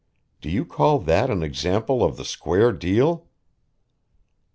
Do you call that an example of the square deal?"